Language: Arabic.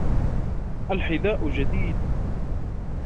الْحِذاءُ جَدِيدُ.